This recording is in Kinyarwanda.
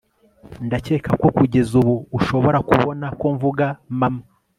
ndakeka ko kugeza ubu ushobora kubona ko mvuga mama